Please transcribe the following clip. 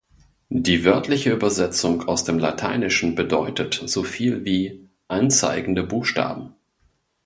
Die wörtliche Übersetzung aus dem Lateinischen bedeutet so viel wie "anzeigende Buchstaben".